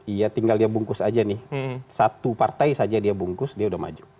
iya tinggal dia bungkus aja nih satu partai saja dia bungkus dia udah maju